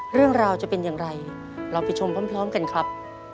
เรื่องราวจะเป็นอย่างไรเราไปชมพร้อมกันครับ